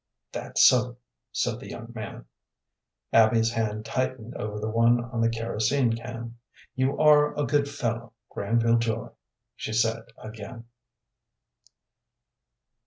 "That's so," said the young man. Abby's hand tightened over the one on the kerosene can. "You are a good fellow, Granville Joy," she said again.